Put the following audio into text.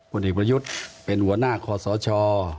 ผลเอกประยุทธ์เป็นหัวหน้าคอสช